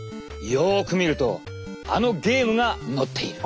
よく見るとあのゲームが載っている。